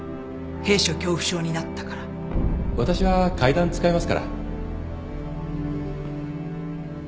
わたしは階段使いますから